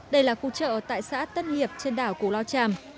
đây là khu chợ tại xã tân hiệp trên đảo cù lao tràm